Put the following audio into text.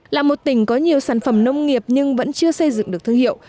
là một tỉnh có nhiều sản phẩm nông nghiệp nhưng vẫn chưa xây dựng được thương hiệu